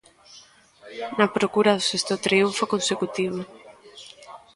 Na procura do sexto triunfo consecutivo.